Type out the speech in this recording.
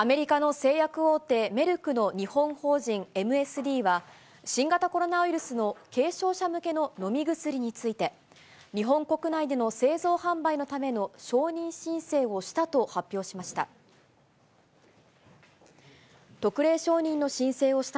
アメリカの製薬大手、メルクの日本法人、ＭＳＤは、新型コロナウイルスの軽症者向けの飲み薬について、日本国内での製造販売のための承認申請をしたと発表しました。